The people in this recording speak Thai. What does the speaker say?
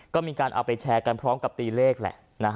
ก็มีการเอาไปแชร์กันพร้อมกับตีเลขแหละ